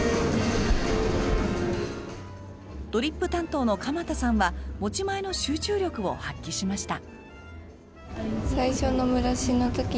ドリップ担当の鎌田さんは持ち前の集中力を発揮しました。